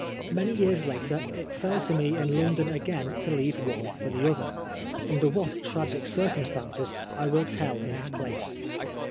Many years later it fell to me in London again to leave one for the other. Under what tragic circumstances, I will tell in its place.